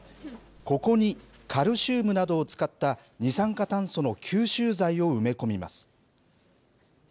ここにカルシウムなどを使った二酸化炭素の吸収材を埋め込みます。